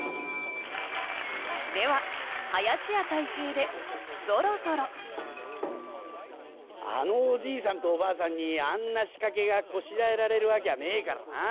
では林家たい平で「ぞろぞろ」「あのおじいさんとおばあさんにあんな仕掛けがこしらえられるわけはねえからな。